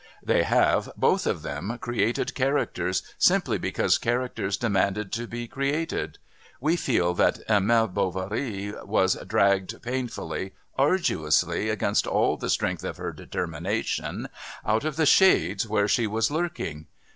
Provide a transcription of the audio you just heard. They have, both of them, created characters simply because characters demanded to be created. We feel that Emma Bovary was dragged, painfully, arduously, against all the strength of her determination, out of the shades where she was lurking.